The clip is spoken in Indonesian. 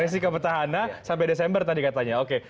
risiko pertahanan sampai desember tadi katanya oke